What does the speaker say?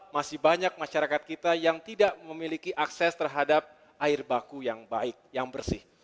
masih banyak masyarakat kita yang tidak memiliki akses terhadap air baku yang baik yang bersih